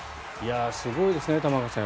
すごいですね、玉川さん。